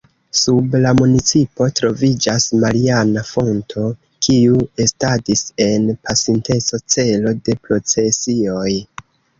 Sub la municipo troviĝas mariana fonto, kiu estadis en pasinteco celo de procesioj.